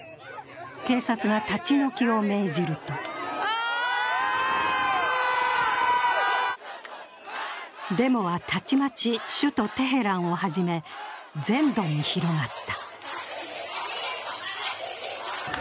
警察が立ち退きを命じるとデモはたちまち首都テヘランをはじめ、全土に広がった。